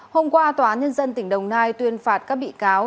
hôm qua tòa án nhân dân tỉnh đồng nai tuyên phạt các bị cáo